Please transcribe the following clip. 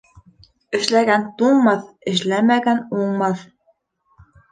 Эшләгән туңмаҫ, эшләмәгән уңмаҫ.